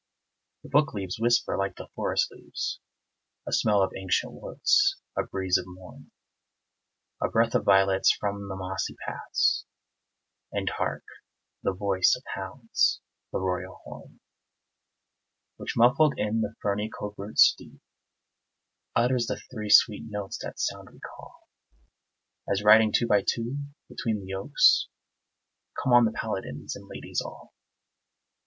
The book leaves whisper like the forest leaves; A smell of ancient woods, a breeze of morn, A breath of violets from the mossy paths And hark! the voice of hounds the royal horn, Which, muffled in the ferny coverts deep, Utters the three sweet notes that sound recall; As, riding two by two between the oaks, Come on the paladins and ladies all.